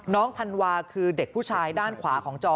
ธันวาคือเด็กผู้ชายด้านขวาของจอ